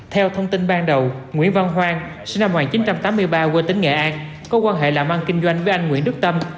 theo thông tin ban đầu nguyễn văn hoang sinh năm một nghìn chín trăm tám mươi ba quê tỉnh nghệ an có quan hệ làm ăn kinh doanh với anh nguyễn đức tâm